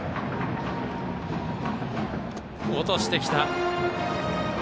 落としてきた。